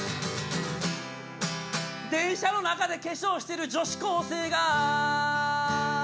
「電車の中で化粧してる女子高生が」